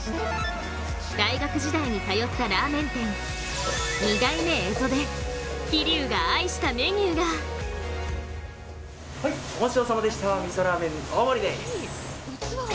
大学時代に通ったラーメン店二代目蝦夷で、桐生が愛したメニューがおまちどおさまでした味噌ラーメン大盛りです。